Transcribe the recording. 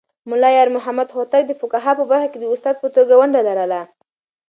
ملا يارمحمد هوتک د فقهه په برخه کې د استاد په توګه ونډه لرله.